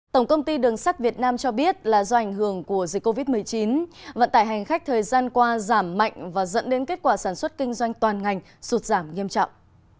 tổng công ty đường sắt việt nam cho biết là do ảnh hưởng của dịch covid một mươi chín vận tải hành khách thời gian qua giảm mạnh và dẫn đến kết quả sản xuất kinh doanh toàn ngành sụt giảm nghiêm trọng